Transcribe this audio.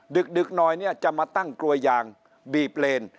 ดึกหน่อยเนี่ยจะมาตั้งกลัวยางบีบเลน